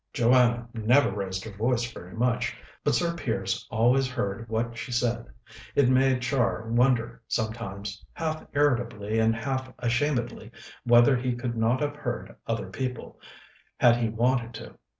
Joanna never raised her voice very much, but Sir Piers always heard what she said. It made Char wonder sometimes, half irritably and half ashamedly, whether he could not have heard other people, had he wanted to.